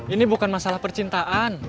ini bukan masalah percintaan